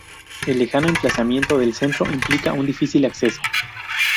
El lejano emplazamiento del centro implica un difícil acceso.